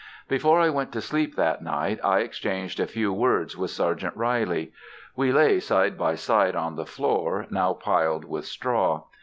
Before I went to sleep that night I exchanged a few words with Sergeant Reilly. We lay side by side on the floor, now piled with straw.